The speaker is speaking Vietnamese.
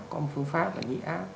có một phương pháp là nhĩ áp